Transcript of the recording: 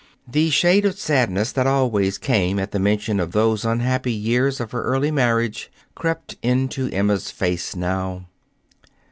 The shade of sadness that always came at the mention of those unhappy years of her early marriage crept into Emma's face now.